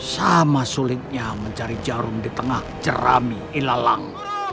sama sulitnya mencari jarum di tengah jerami ilalang